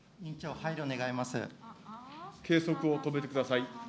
計測を止めてください。